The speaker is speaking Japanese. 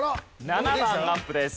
７段アップです。